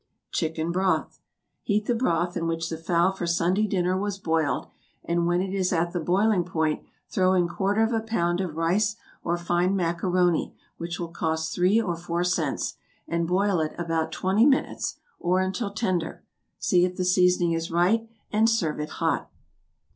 =Chicken Broth.= Heat the broth in which the fowl for Sunday dinner was boiled, and when it is at the boiling point throw in quarter of a pound of rice, or fine macaroni, which will cost three or four cents, and boil it about twenty minutes, or until tender; see if the seasoning is right, and serve it hot.